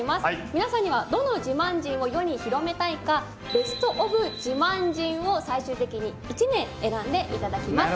皆さんにはどの自慢人を世に広めたいかベストオブ自慢人を最終的に１名選んでいただきます